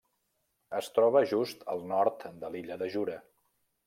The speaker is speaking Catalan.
Es troba just al nord de l'illa de Jura.